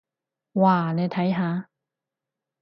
哇，你睇下！